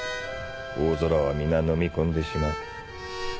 大空はみな呑み込んでしまう。